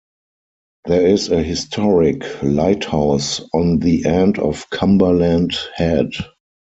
There is a historic lighthouse on the end of Cumberland Head.